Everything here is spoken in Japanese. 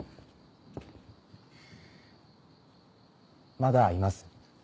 まだいます？